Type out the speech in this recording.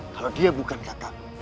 kalau dia bukan kakak